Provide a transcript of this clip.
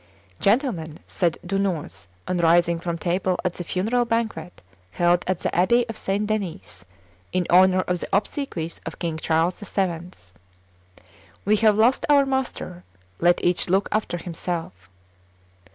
"Gentlemen," said Dunois on rising from table at the funeral banquet held at the abbey of St. Denis in honor of the obsequies of King Charles VII., "we have lost our master; let each look after himself."